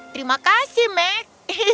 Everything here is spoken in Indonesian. terima kasih meg